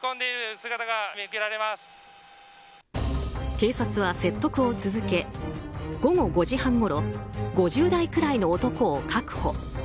警察は説得を続け午後５時半ごろ５０代くらいの男を確保。